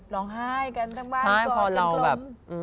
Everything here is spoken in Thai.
ร้องไห้กันทั้งบ้านกอดทั้งกลม